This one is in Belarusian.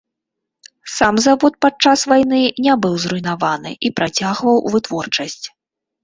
Сам завод падчас вайны не быў зруйнаваны і працягваў вытворчасць.